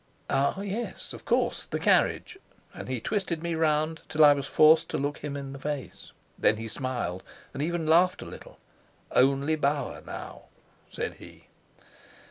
"Ah, yes, of course, the carriage," and he twisted me round till I was forced to look him in the face. Then he smiled, and even laughed a little. "Only Bauer now!" said he.